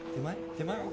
手前？